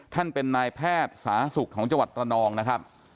ท่านเป็นนายแพทย์สาศุกร์ของจตระนองนะครับ